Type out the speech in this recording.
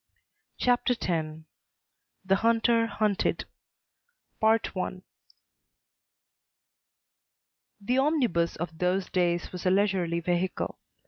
Chapter X The Hunter Hunted The omnibus of those days was a leisurely vehicle.